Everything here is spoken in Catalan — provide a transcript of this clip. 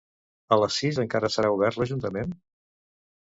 A les sis encara serà obert l'Ajuntament?